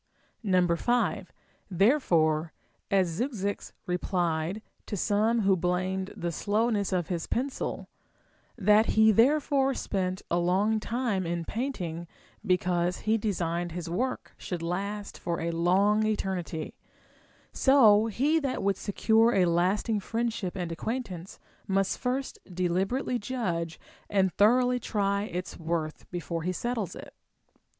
5. Therefore, as Zeuxis replied to some who blamed the slowness of his pencil, — that he therefore spent a long time in painting, because he designed his work should last for a long eternity, — so he that would secure a lasting friendship and acquaintance must first deliberately judge and thoroughly try its worth, before he settles it.